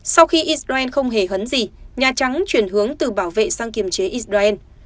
sau khi israel không hề hấn gì nhà trắng chuyển hướng từ bảo vệ sang kiềm chế israel